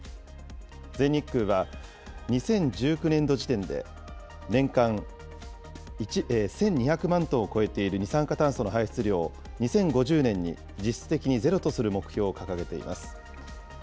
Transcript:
全日空は、２０１９年度時点で、年間１２００万トンを超えている二酸化炭素の排出量を２０５０年に実質的にゼロとする目標を掲げています。